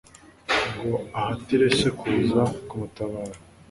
ngo ahatire Se kuza kumutabara.